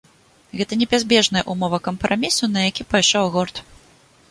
Гэта непазбежная ўмова кампрамісу, на які пайшоў гурт.